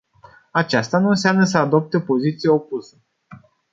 Aceasta nu înseamnă să adopte o poziție opusă.